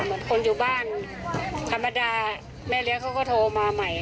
เหมือนคนอยู่บ้านธรรมดาแม่เลี้ยงเขาก็โทรมาใหม่